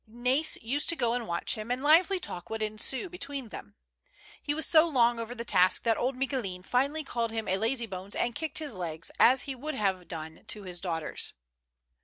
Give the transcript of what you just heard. Nais used to go and watch him, and lively talk would ensue between them. He was so long over the task that old Micoulin finally called him a lazy bones and kicked his legs, as lie would have done his daughter's.